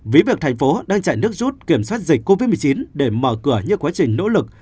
vì việc tp hcm đang chạy nước rút kiểm soát dịch covid một mươi chín để mở cửa những quá trình nỗ lực